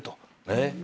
えっ？